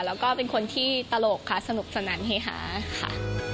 แล้วก็เป็นคนที่ตลกค่ะสนุกสนานเฮฮาค่ะ